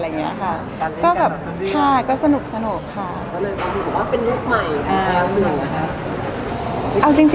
พลังถือว่าเป็นโลกใหม่